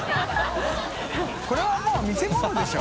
海譴もう見せ物でしょ。